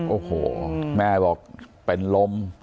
โอ้โหแม่บอกเป็นลม